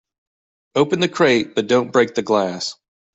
Open the crate but don't break the glass.